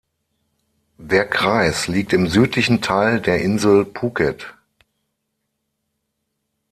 Der Kreis liegt im südlichen Teil der Insel Phuket.